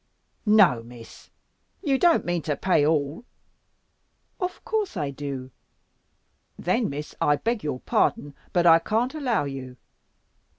"No, Miss! You don't mean to pay all!" "Of course, I do." "Then, Miss, I beg your pardon, but I can't allow you.